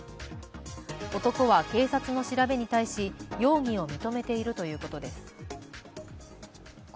男は警察の調べに対し容疑を認めているということです。